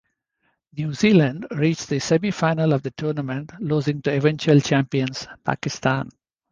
New Zealand reached the semi-final of the tournament, losing to eventual champions Pakistan.